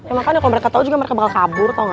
emang kan kalau mereka tau juga mereka bakal kabur tau gak